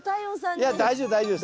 いや大丈夫大丈夫です。